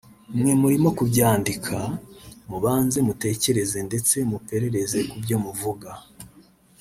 Mwe murimo kubyandika mubanze mutekereze ndetse muperereze ku byo muvuga